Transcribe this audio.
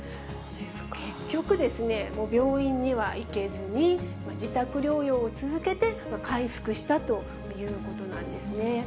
結局、病院には行けずに、自宅療養を続けて回復したということなんですね。